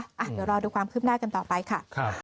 เดี๋ยวรอดูความคืบหน้ากันต่อไปค่ะ